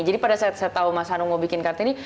jadi pada saat saya tau mas hanung mau bikin kartini